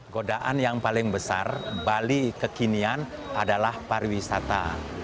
godaan yang paling besar bali kekinian adalah pariwisata